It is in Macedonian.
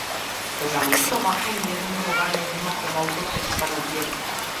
За нешто вакво ниеден гробар не зема помалку од триста рубљи.